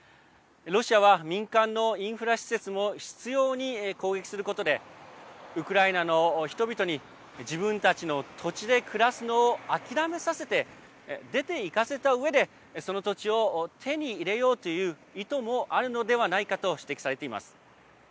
ロシアは、民間のインフラ施設も執ように攻撃することでウクライナの人々に自分たちの土地で暮らすのを諦めさせて出て行かせたうえでその土地を手に入れようという意図もあるのではないかと指摘されています。